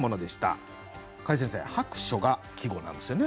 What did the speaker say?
櫂先生「薄暑」が季語なんですよね。